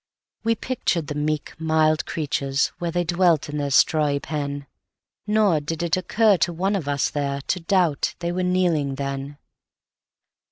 We pictured the meek mild creatures where They dwelt in their strawy pen, Nor did it occur to one of us there To doubt they were kneeling then.